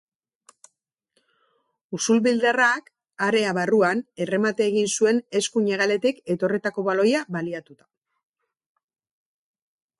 Usurbildarrak area barruan errematea egin zuen eskuin hegaletik etorritako baloia baliatuta.